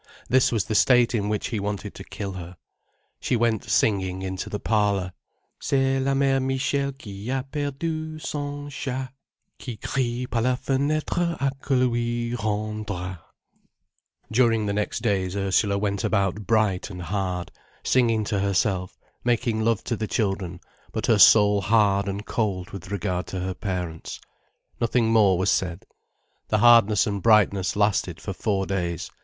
This was the state in which he wanted to kill her. She went singing into the parlour. "C'est la mère Michel qui a perdu son chat, Qui cri par la fenêtre qu'est ce qui le lui renda——" During the next days Ursula went about bright and hard, singing to herself, making love to the children, but her soul hard and cold with regard to her parents. Nothing more was said. The hardness and brightness lasted for four days.